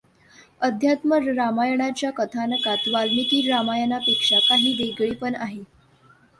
अध्यात्म रामायणाच्या कथानकात वाल्मिकी रामायणापेक्षा काही वेगळेपण आहे.